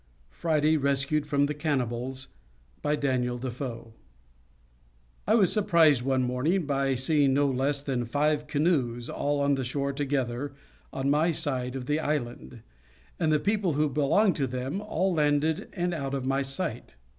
FRIDAY RESCUED FROM THE CANNIBALS By Daniel Defoe I was surprised one morning by seeing no less than five canoes all on shore together on my side the island, and the people who belonged to them all landed and out of my sight.